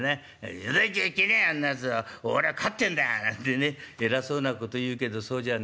『冗談言っちゃいけねえあんなやつ俺はかってんだ』なんてね偉そうなこと言うけどそうじゃね。